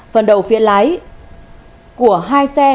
phần đầu phía lái của hai xe